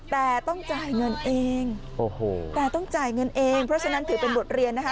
แต่ต้องจ่ายเงินเองโอ้โหแต่ต้องจ่ายเงินเองเพราะฉะนั้นถือเป็นบทเรียนนะคะ